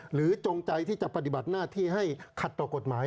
จงใจที่จะปฏิบัติหน้าที่ให้ขัดต่อกฎหมาย